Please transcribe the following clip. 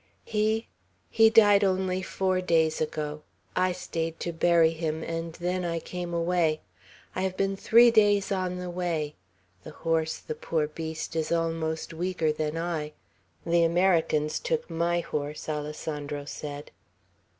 "He! He died only four days ago. I stayed to bury him, and then I came away. I have been three days on the way; the horse, poor beast, is almost weaker than I. The Americans took my horse," Alessandro said.